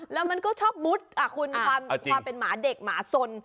แล้วมันก็ชอบมุดคุณความเป็นหมาเด็กหมาสน